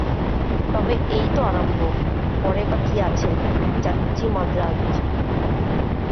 তবে এই তো আরম্ভ, পরে বা কি আছে! যাচ্চি মান্দ্রাজ।